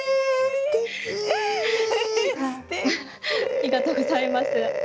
ありがとうございます。